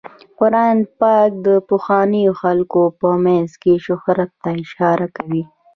قرآن پاک د پخوانیو خلکو په مینځ کې شهرت ته اشاره کوي.